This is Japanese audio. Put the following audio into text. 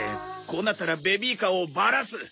こうなったらベビーカーをばらす。